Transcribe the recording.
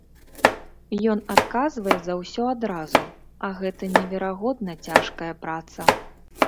Ён адказвае за ўсё адразу, а гэта неверагодна цяжкая праца.